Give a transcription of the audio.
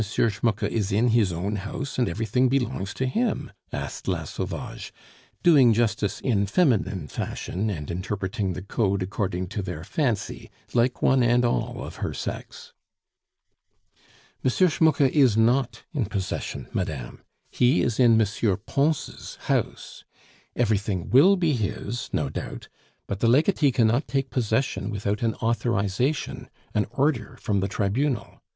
Schmucke is in his own house and everything belongs to him?" asked La Sauvage, doing justice in feminine fashion, and interpreting the Code according to their fancy, like one and all of her sex. "M. Schmucke is not in possession, madame; he is in M. Pons' house. Everything will be his, no doubt; but the legatee cannot take possession without an authorization an order from the Tribunal.